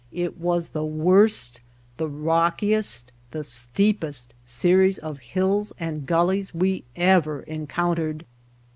It was the worst, the rockiest, the steepest series of hills and gullies we ever encountered.